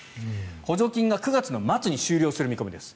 補助金が９月末に終了する見込みです。